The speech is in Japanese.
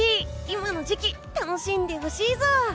今の時期、楽しんでほしいぞ！